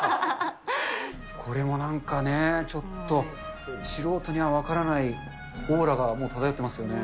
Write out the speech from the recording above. これもなんかね、ちょっと、素人には分からないオーラがもう漂ってますよね。